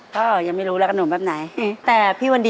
ก็ยังไม่รู้แล้วขนมแบบไหน